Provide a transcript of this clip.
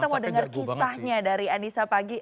coba kita mau dengar kisahnya dari anissa paggi